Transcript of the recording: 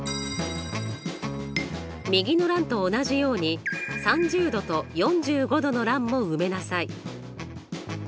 右の欄と同じように３０°と４５°の欄も埋めなさい。